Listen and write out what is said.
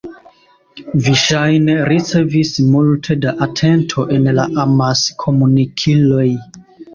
Vi ŝajne ricevis multe da atento en la amaskomunikiloj.